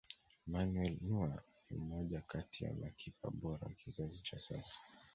manuel neuer ni mmoja kati ya makipa bora wa kizazi cha sasa